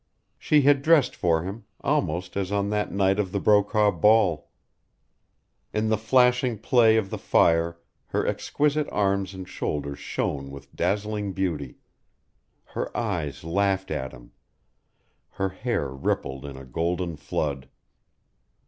She had dressed for him, almost as on that night of the Brokaw ball. In the flashing play of the fire her exquisite arms and shoulders shone with dazzling beauty; her eyes laughed at him; her hair rippled in a golden flood.